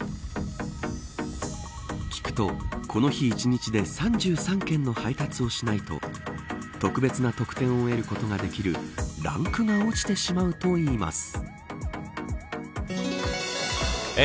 聞くとこの日１日で３３件の配達をしないと特別な得点を得ることができるランクが落ちてしまうといいます。